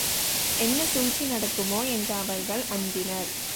என்ன சூழ்ச்சி நடக்குமோ? என்று அவர்கள் அஞ்சினர்.